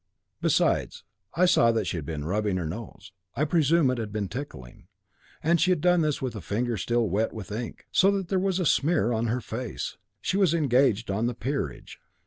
Besides, I saw that she had been rubbing her nose. I presume it had been tickling, and she had done this with a finger still wet with ink, so that there was a smear on her face. She was engaged on the peerage.